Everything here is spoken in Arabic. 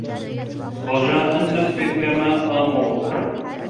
رجاء نفّذ كما آمرك.